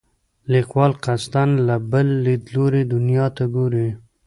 لیکوال قصدا له بل لیدلوري دنیا ته ګوري.